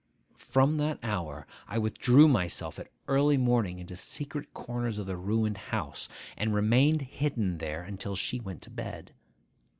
From that hour, I withdrew myself at early morning into secret corners of the ruined house, and remained hidden there until she went to bed.